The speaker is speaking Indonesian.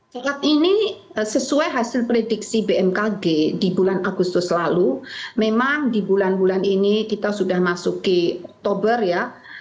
saat ini sesuai hasil prediksi bmkg di bulan agustus lalu memang di bulan bulan ini kita sudah masuk di oktober ya